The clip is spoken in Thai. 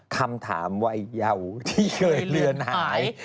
คำถามวัยเยาที่เคยเลือนหาย